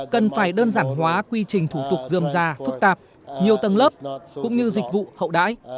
cần phải đơn giản hóa quy trình thủ tục dường ra phức tạp nhiều tầng lớp cũng như dịch vụ hậu đáy